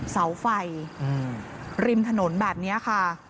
เสาไฟริมถนนแบบนี้ค่ะ